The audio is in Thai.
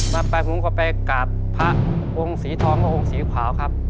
มาไปผมก็ไปกราบพระองค์สีทองและองค์สีขาวครับ